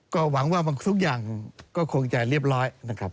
ก็หวังว่าทุกอย่างก็คงจะเรียบร้อยนะครับ